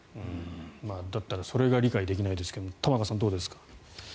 だったらそれが理解できないですけど玉川さん、どうですか？